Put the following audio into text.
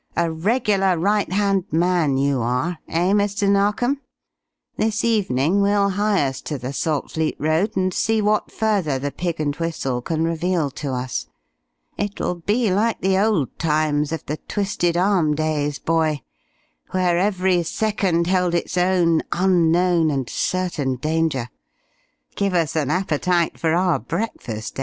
"A regular right hand man you are, eh, Mr. Narkom? This evening we'll hie us to the Saltfleet Road and see what further the 'Pig and Whistle' can reveal to us. It'll be like the old times of the 'Twisted Arm' days, boy, where every second held its own unknown and certain danger. Give us an appetite for our breakfast, eh?"